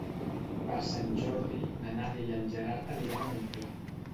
Per Sant Jordi na Nàdia i en Gerard aniran a Montclar.